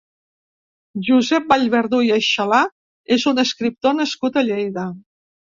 Josep Vallverdú i Aixalà és un escriptor nascut a Lleida.